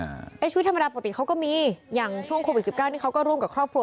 ไอ้ชีวิตธรรมดาปกติเขาก็มีอย่างช่วงโควิดสิบเก้านี่เขาก็ร่วมกับครอบครัว